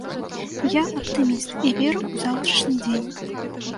Я аптыміст і веру ў заўтрашні дзень.